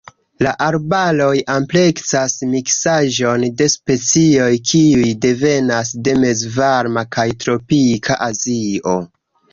La arbaroj ampleksas miksaĵon de specioj kiuj devenas de mezvarma kaj tropika Azio.